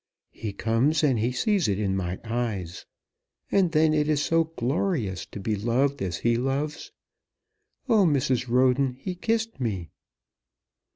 He comes and he sees it in my eyes. And then it is so glorious, to be loved as he loves. Oh, Mrs. Roden, he kissed me."